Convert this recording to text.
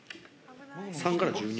３から１２？